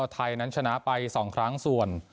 ไทยนั้นชนะไป๒ครั้งส่วน